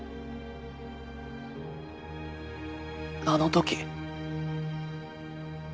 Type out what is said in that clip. あの時。